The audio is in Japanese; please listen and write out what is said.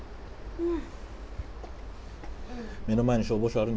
うん。